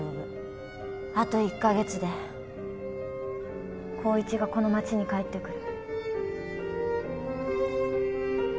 あと１カ月で光一がこの街に帰ってくる。